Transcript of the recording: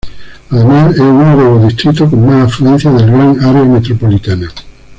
Además, es uno de los distritos con más afluencia del Gran Área Metropolitana.